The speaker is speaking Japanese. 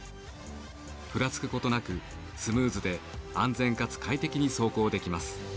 ふらつくことなくスムーズで安全かつ快適に走行できます。